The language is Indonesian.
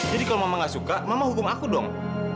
jadi kalau mama nggak suka mama hukum aku dong